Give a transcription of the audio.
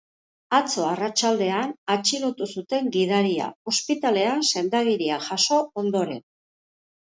Atzo arratsaldean atxilotu zuten gidaria, ospitalean sendagiria jaso ondoren.